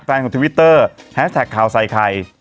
ของทวิตเตอร์แฮสแท็กข่าวใส่ไข่